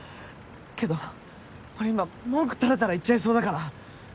けど俺今文句たらたら言っちゃいそうだから。